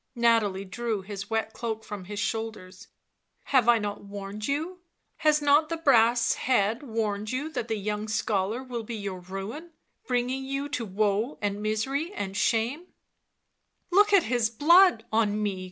Nathalie drew his wet cloak from his shoulders. " Have I not warned you ? has not the brass head warned you that the young scholar will be your ruin, bringing you to w T oe and misery and shame 1" " Look at his blood on me